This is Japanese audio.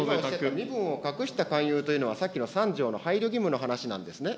身分を隠した勧誘というのはさっきの３条の配慮義務の話なんですね。